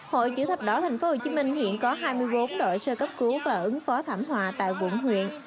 hội chữ thập đỏ tp hcm hiện có hai mươi bốn đội sơ cấp cứu và ứng phó thảm họa tại quận huyện